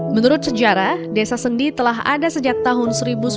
menurut sejarah desa sendi telah ada sejak tahun seribu sembilan ratus sembilan puluh